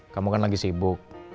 kamu kan lagi sibuk